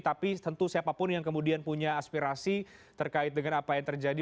tapi tentu siapapun yang kemudian punya aspirasi terkait dengan apa yang terjadi